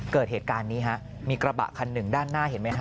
เกิดเหตุการณ์นี้ฮะมีกระบะคันหนึ่งด้านหน้าเห็นไหมฮ